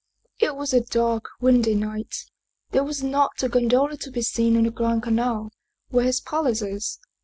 " It was a dark, windy night; there was not a gondola to be seen on the Grand Canal, where his palace is.